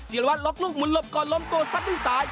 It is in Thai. เจียรวรรดิหลอกลูกหมุนลบก่อนล้มตัวสัตว์ด้วยสาย